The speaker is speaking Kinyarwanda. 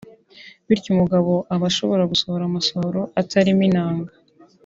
bityo umugabo aba ashobora gusohora amasohoro atarimo intanga